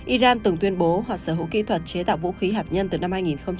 iran từng tuyên bố hoặc sở hữu kỹ thuật chế tạo vũ khí hạt nhân từ năm hai nghìn một mươi